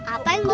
apa yang belum